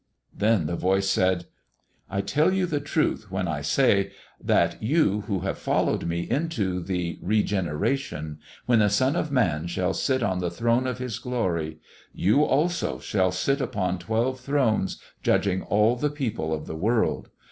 Then the Voice said: "I tell you the truth when I say, that you who have followed Me into the regeneration, when the Son of Man shall sit on the throne of His glory, you also shall sit upon twelve thrones judging all the people of the world.